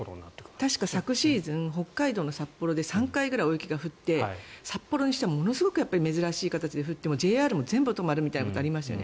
確か昨シーズン北海道の札幌で３回ぐらい大雪が降って札幌にしてはものすごく珍しい形で降ってＪＲも全部止まりましたよね。